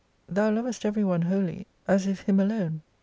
Thou lovest every one wholly as if him alone.